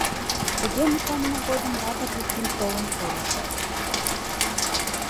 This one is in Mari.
Тыге мутланыме годым Лазыр Яким толын пурыш.